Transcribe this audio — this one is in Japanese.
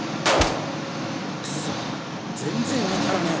クソッ全然当たらねぇ。